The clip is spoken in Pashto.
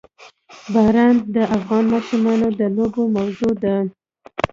باران د افغان ماشومانو د لوبو موضوع ده.